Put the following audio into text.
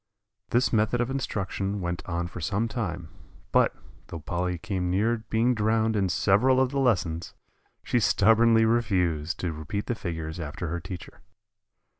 This method of instruction went on for some time; but, though Polly came near being drowned in several of the lessons, she stubbornly refused to repeat the figures after her teacher.